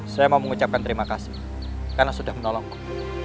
saya mau mengucapkan terima kasih karena sudah menolongku